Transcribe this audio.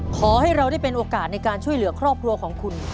ขอให้เราได้เป็นโอกาสในการช่วยเหลือครอบครัวของคุณ